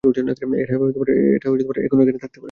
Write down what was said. এটা এখনও এখানে থাকতে পারে।